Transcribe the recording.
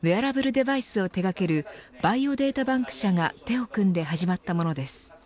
デバイスを手掛けるバイオデータバンク社が手を組んで始まったものです。